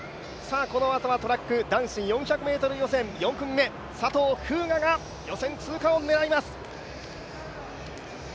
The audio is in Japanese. このあとはトラック男子４００ｍ予選４組目佐藤風雅が予選通過を狙います。